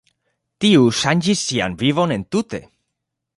Tiu ŝanĝis sian vivon entute.